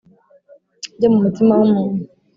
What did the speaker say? Byo mu mutima w umuntu